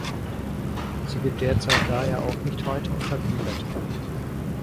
Sie wird derzeit daher auch nicht weiter untergliedert.